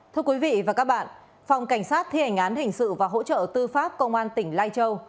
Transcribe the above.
thưa quý vị và các bạn phòng cảnh sát thi hành án hình sự và hỗ trợ tư pháp công an tỉnh lai châu